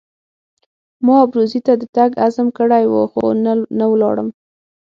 ما ابروزي ته د تګ عزم کړی وو خو نه ولاړم.